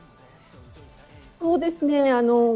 そうですね。